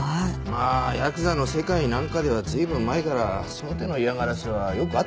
まあヤクザの世界なんかでは随分前からその手の嫌がらせはよくあった事なんだけどね。